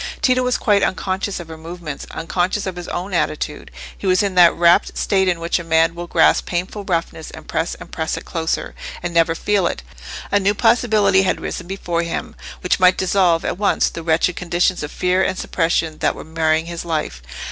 Tito was quite unconscious of her movements—unconscious of his own attitude: he was in that wrapt state in which a man will grasp painful roughness, and press and press it closer, and never feel it. A new possibility had risen before him, which might dissolve at once the wretched conditions of fear and suppression that were marring his life.